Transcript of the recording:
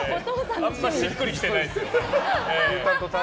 あんましっくりきてないですよ。